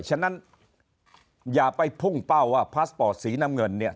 ฉะนั้นอย่าไปพุ่งเป้าว่าพาสปอร์ตสีน้ำเงินเนี่ย